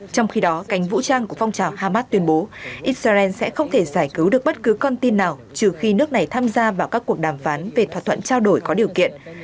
trong khi đó cánh vũ trang của phong trào hamas tuyên bố israel sẽ không thể giải cứu được bất cứ con tin nào trừ khi nước này tham gia vào các cuộc đàm phán về thỏa thuận trao đổi có điều kiện